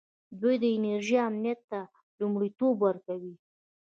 دوی د انرژۍ امنیت ته لومړیتوب ورکوي.